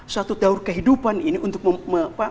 suatu daur kehidupan ini untuk memaduserasikan itu